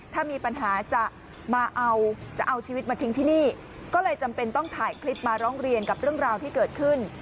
ถ้ามีปัญหาจะมาเอาจะเอาชีวิตมาทิ้งที่นี่ก็เลยจำเป็นต้องถ่ายคลิปมาร้องเรียนกับเรื่องราวที่เกิดขึ้น